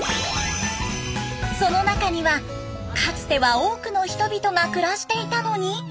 その中にはかつては多くの人々が暮らしていたのに。